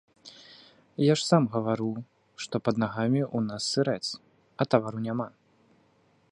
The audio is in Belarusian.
Я ж сам гавару, што пад нагамі ў нас сырэц, а тавару няма.